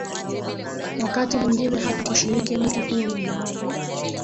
wakati mwingine hata kushiriki mti huo Mojawapo